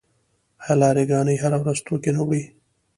آیا لاری ګانې هره ورځ توکي نه وړي؟